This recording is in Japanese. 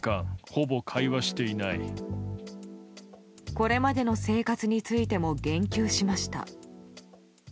これまでの生活についても言及しました。